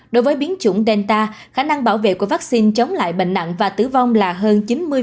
đối với biến chủng delta khả năng bảo vệ của vaccine chống lại bệnh nặng và tử vong là hơn chín mươi